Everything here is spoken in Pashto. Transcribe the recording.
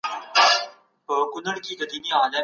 مثبت فکر باور نه خرابوي.